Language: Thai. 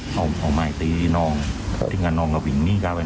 อ๋อคือมันก่อนมันก่อเหตุเนี่ยมันเล่งไล่มันไหม